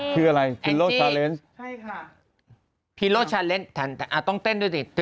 คืออะไรใช่ค่ะพิโลชาเลนส์อ่าต้องเต้นด้วยสิ